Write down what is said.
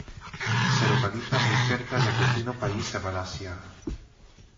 Se localiza muy cerca del vecino país de Malasia.